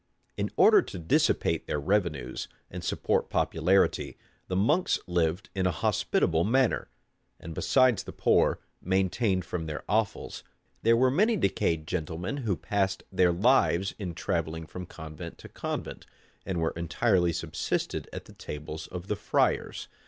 [*] In order to dissipate their revenues, and support popularity, the monks lived in a hospitable manner; and besides the poor maintained from their offals, there were many decayed gentlemen who passed their lives in travelling from convent to convent, and were entirely subsisted at the tables of the friars.